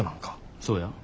そうや。